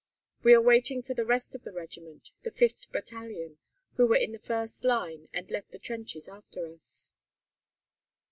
We are waiting for the rest of the regiment, the 5th Battalion, who were in the first line and left the trenches after us.